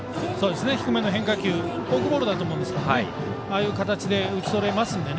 低めの変化球フォークボールだと思うんですがああいう形で打ち取れますので。